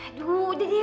aduh udah deh